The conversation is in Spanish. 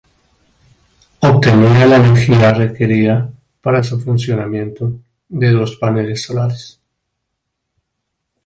Obtenía la energía requerida para su funcionamiento de dos paneles solares.